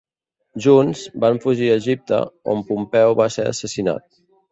Junts, van fugir a Egipte, on Pompeu va ser assassinat.